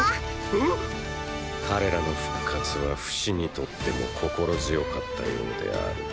ええ⁉彼らの復活はフシにとっても心強かったようである。